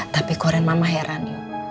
tapi keren mama heran